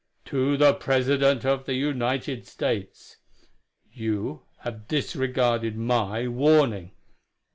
"To the President of the United States: You have disregarded my warning.